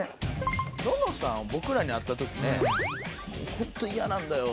ののさんは僕らに会った時ね「ホント嫌なんだよ」